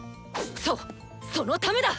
そうそのためだ！